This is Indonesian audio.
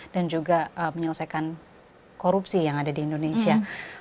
dan juga menyelesaikan korupsi yang ada di indonesia